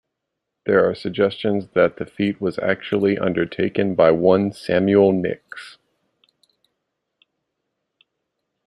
There are suggestions that the feat was actually undertaken by one Samuel Nicks.